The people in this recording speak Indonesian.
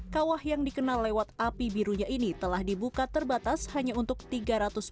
kawah yang dikenal lewat api birunya ini telah dibuka terbatas hanya untuk tiga ratus meter